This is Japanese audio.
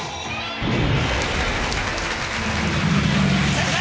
先生！